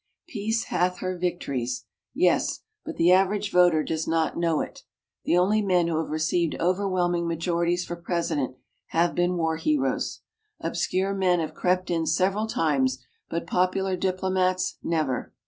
"Peace hath her victories" yes, but the average voter does not know it. The only men who have received overwhelming majorities for President have been war heroes. Obscure men have crept in several times, but popular diplomats never.